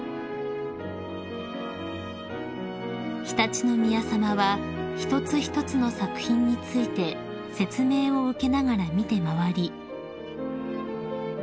［常陸宮さまは一つ一つの作品について説明を受けながら見て回り］